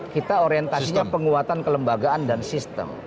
kita orientasinya penguatan kelembagaan dan sistem